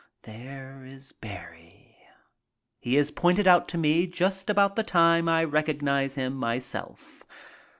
There is Barrie. He is pointed out to me just about the time I recognize him myself.